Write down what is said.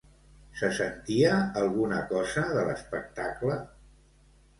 Se sentia alguna cosa de l'espectacle?